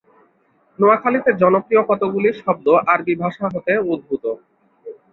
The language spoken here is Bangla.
নোয়াখালীতে জনপ্রিয় কতগুলি শব্দ আরবি ভাষা হতে উদ্ভূত।